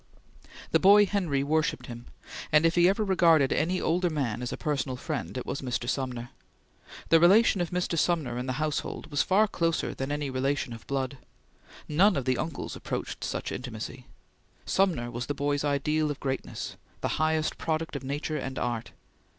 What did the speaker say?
The boy Henry worshipped him, and if he ever regarded any older man as a personal friend, it was Mr. Sumner. The relation of Mr. Sumner in the household was far closer than any relation of blood. None of the uncles approached such intimacy. Sumner was the boy's ideal of greatness; the highest product of nature and art.